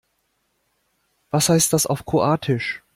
Was heißt das auf Kroatisch?